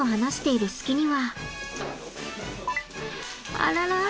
あらら。